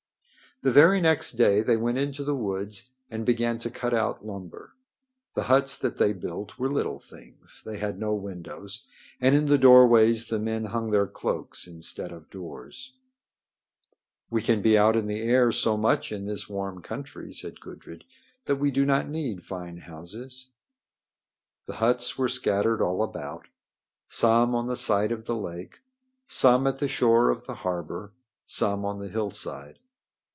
The very next day they went into the woods and began to cut out lumber. The huts that they built were little things. They had no windows, and in the doorways the men hung their cloaks instead of doors. "We can be out in the air so much in this warm country," said Gudrid, "that we do not need fine houses." The huts were scattered all about, some on the side of the lake, some at the shore of the harbor, some on the hillside.